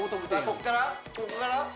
ここからここから？